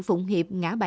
phụng hiệp ngã bảy